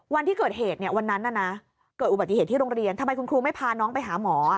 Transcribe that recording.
วันที่เกิดเหตุเนี่ยวันนั้นเกิดอุบัติเหตุที่โรงเรียนทำไมคุณครูไม่พาน้องไปหาหมอ